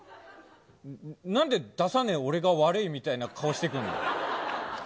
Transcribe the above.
なんで出さねえ俺が悪いみたいな顔してくんの。